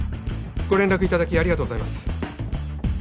ご連絡いただきありがとうございます。